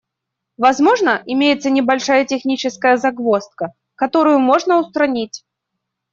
Возможно, имеется небольшая техническая загвоздка, которую можно устранить.